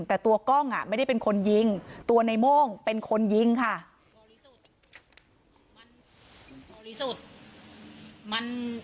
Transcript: แต่ตัวกล้องไม่ได้เป็นคนยิงตัวในโม่งเป็นคนยิงค่ะ